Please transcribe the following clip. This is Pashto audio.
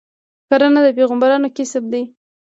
کرنه د پیغمبرانو کسب دی.